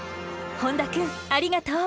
本多くんありがとう！